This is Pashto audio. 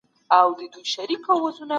صليبي جنګونه په اروپا کي لوی بحث دی.